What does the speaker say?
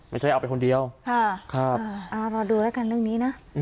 ไม่ใช่เอาไปคนเดียวรอดูแล้วกันเรื่องนี้นะ